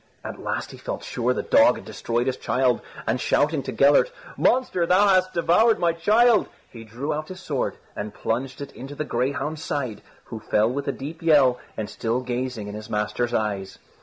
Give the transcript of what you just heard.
At last he felt sure the dog had destroyed his child, and shouting to Gellert, "Monster, thou hast devoured my child," he drew out his sword and plunged it in the greyhound's side, who fell with a deep yell and still gazing in his master's eyes.